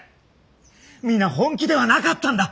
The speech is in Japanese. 皆本気ではなかったんだ。